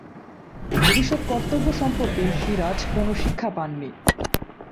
ভবিষ্যৎ কর্তব্য সম্পর্কে সিরাজ কোন শিক্ষা পাননি।